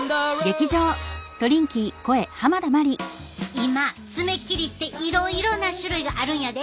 今爪切りっていろいろな種類があるんやで。